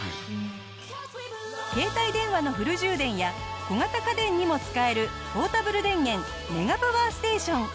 携帯電話のフル充電や小型家電にも使えるポータブル電源メガパワーステーション。